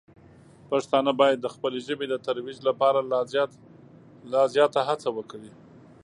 پښتانه باید د خپلې ژبې د ترویج لپاره لا زیاته هڅه وکړي.